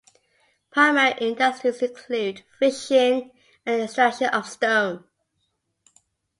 Primary industries include fishing and the extraction of stone.